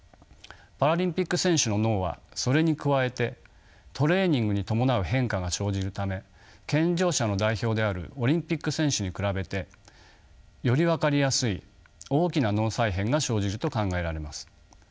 パラリンピック選手の脳はそれに加えてトレーニングに伴う変化が生じるため健常者の代表であるオリンピック選手に比べてより分かりやすい大きな脳再編が生じると考えられます。